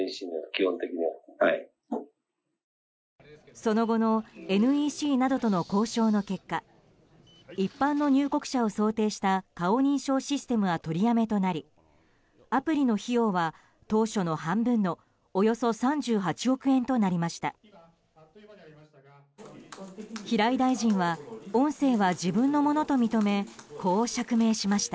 その後のＮＥＣなどとの交渉の結果一般の入国者を想定した顔認証システムは取りやめとなりアプリの費用は当初の半分のおよそ３８億円となりました。